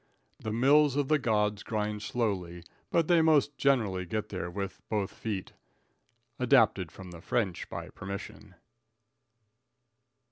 The mills of the gods grind slowly, but they most generally get there with both feet. (Adapted from the French by permission.)